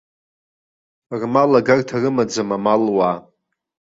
Рмал агарҭа рымаӡам амалуаа.